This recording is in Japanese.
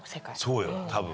そうよ多分。